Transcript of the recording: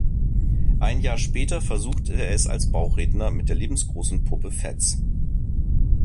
Ein Jahr später versucht er es als Bauchredner mit der lebensgroßen Puppe Fats.